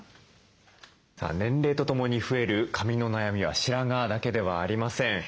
年齢とともに増える髪の悩みは白髪だけではありません。